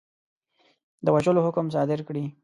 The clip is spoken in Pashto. د وژلو حکم صادر کړي.